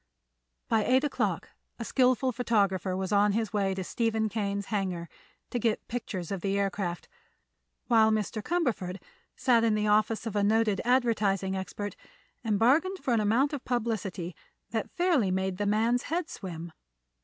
By eight o'clock a skillful photographer was on his way to Stephen Kane's hangar to get pictures of the aircraft, while Mr. Cumberford sat in the office of a noted advertising expert and bargained for an amount of publicity that fairly made the man's head swim.